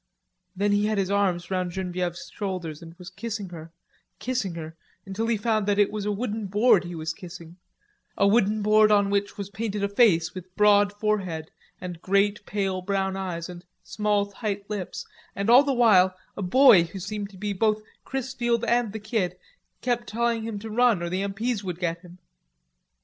Then he had his arms round Genevieve's shoulders and was kissing her, kissing her, until he found that it was a wooden board he was kissing, a wooden board on which was painted a face with broad forehead and great pale brown eyes, and small tight lips, and all the while a boy who seemed to be both Chrisfield and the Kid kept telling him to run or the M.P.'s would get him.